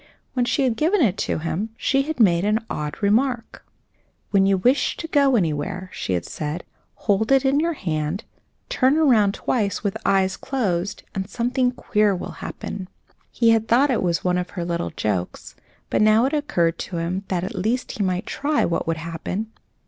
When she had given it to him she had made an odd remark. "When you wish to go anywhere," she had said, "hold it in your hand, turn around twice with closed eyes, and something queer will happen." He had thought it was one of her little jokes, but now it occurred to him that at least he might try what would happen.